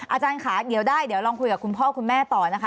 อาจารย์ค่ะเดี๋ยวได้เดี๋ยวลองคุยกับคุณพ่อคุณแม่ต่อนะคะ